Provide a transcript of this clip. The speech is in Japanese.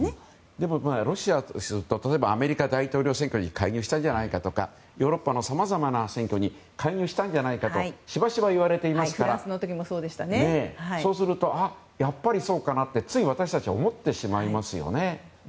でも、ロシアからすると例えばアメリカ大統領選挙に介入したんじゃないかとかヨーロッパのさまざまな選挙に介入したんじゃないかとしばしばいわれていますからそうするとやっぱりそうかなってつい私たちは思ってしまいますよね。